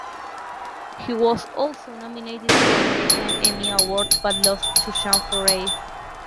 He was also nominated for a Daytime Emmy Award but lost to June Foray.